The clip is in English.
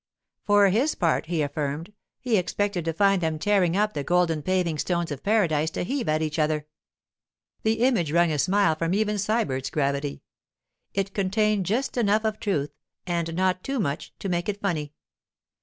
For his part, he affirmed, he expected to find them tearing up the golden paving stones of paradise to heave at each other! The image wrung a smile from even Sybert's gravity; It contained just enough of truth, and not too much, to make it funny.